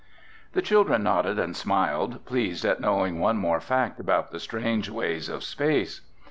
The children nodded and smiled, pleased at knowing one more fact about the strange ways of space.